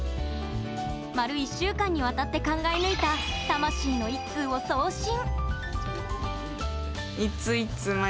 丸１週間にわたって考え抜いた魂の一通を送信。